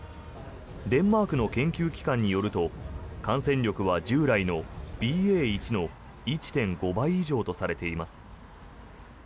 デンマークの研究機関によると感染力は従来のＢＡ．１の１．５倍以上とされています。